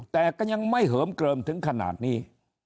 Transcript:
แต่ก็ยังไม่เหิมเกลิมถึงขนาดนี้